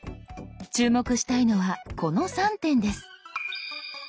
注目したいのはこの３点です。